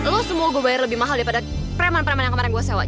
lo semua gue bayar lebih mahal daripada preman preman yang kemarin gue sewa